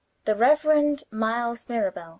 THE REVEREND MILES MIRABEL.